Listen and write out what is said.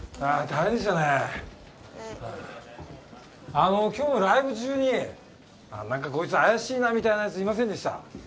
あの今日のライブ中にあっ何かこいつ怪しいなみたいなやついませんでした？